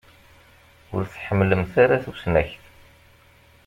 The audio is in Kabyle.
Ur tḥemmlemt ara tusnakt.